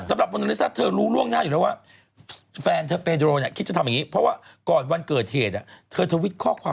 สำหรับโมนาลิซาเธอรู้ล่วงหน้าอยู่แล้วว่า